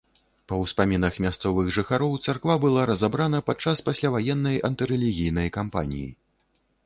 Па ўспамінах мясцовых жыхароў, царква была разабрана падчас пасляваеннай антырэлігійнай кампаніі.